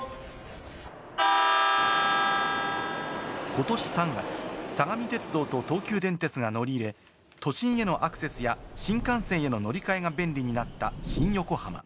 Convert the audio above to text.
ことし３月、相模鉄道と東急電鉄が乗り入れ、都心へのアクセスや新幹線への乗り換えが便利になった新横浜。